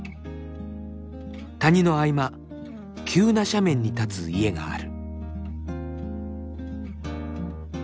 谷の合間急な斜面に立つ家がある。